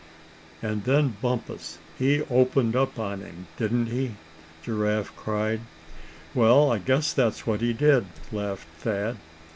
"And then Bumpus, he opened on him, didn't he?" Giraffe cried. "Well, I guess that's what he did," laughed Thad.